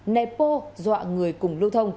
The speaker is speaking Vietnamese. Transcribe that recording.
nẹp ô dọa người cùng lưu thông